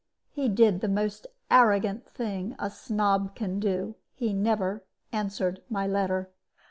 He did the most arrogant thing a snob can do he never answered my letter.